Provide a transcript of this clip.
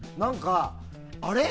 あれ？